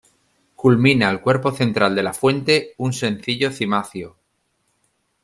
Culmina el cuerpo central de la fuente un sencillo cimacio.